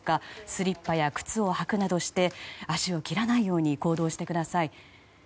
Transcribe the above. スリッパや靴を履くなどして足を切らないように行動してください。